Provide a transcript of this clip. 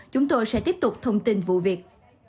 chúng tôi sẽ tiếp tục thông tin vụ việc